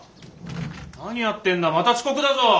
何やってんだまた遅刻だぞ！